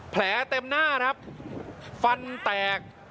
เต็มหน้าครับฟันแตก